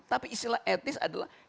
tapi istilah etnis adalah